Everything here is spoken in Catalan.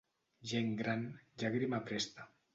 Gent gran, llàgrima presta.